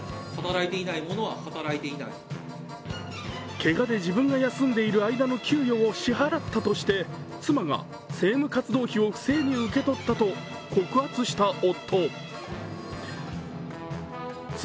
けがで自分が休んでいる間の給与を支払ったとして妻が政務活動費を不正に受け取ったと告発した夫。